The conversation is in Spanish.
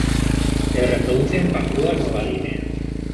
Se reproduce en Papúa Nueva Guinea.